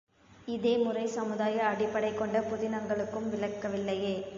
இதே முறை, சமுதாய அடிப்படை கொண்ட புதினங்களுக்கும் விலக்கல்லவே!